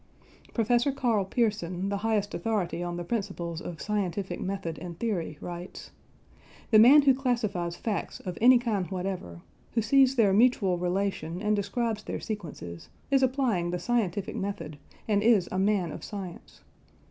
Professor Karl Pearson, the highest authority on the principles of scientific method and theory, writes: "The man who classifies facts of any kind whatever, who sees their mutual relation and describes their sequences, is applying the scientific method and is a man of science.